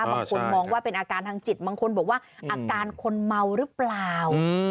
บางคนมองว่าเป็นอาการทางจิตบางคนบอกว่าอาการคนเมาหรือเปล่า